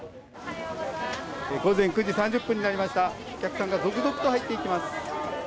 午前９時３０分になりました、お客さんが続々と入っていきます。